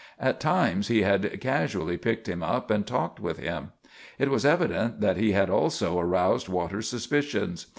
At times he had casually picked him up and talked with him. It was evident that he had also aroused Waters' suspicions.